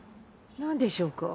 何でしょうか？